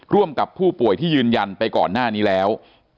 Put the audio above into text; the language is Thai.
ร่วมกับผู้ป่วยที่ยืนยันไปก่อนหน้านี้แล้ว